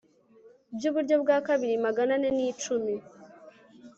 by uburyo bwa kabiri magana ane n icumi